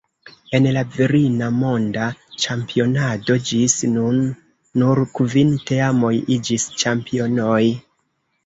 En la virina monda ĉampionado ĝis nun nur kvin teamoj iĝis ĉampionoj.